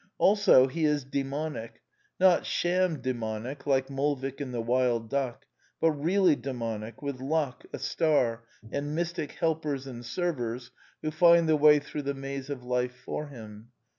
Also he is daimonic, not sham daimonic like Molvik in The Wild Duck, but really daimonic, with luck, a star, and mystic '" helpers and servers " who find the way through the maze of life for him.